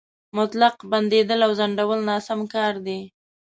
مطلق بندېدل او ځنډول ناسم کار دی.